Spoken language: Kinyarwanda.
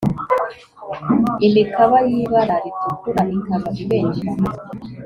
imikaba y'ibara ritukura ikaba ibengerana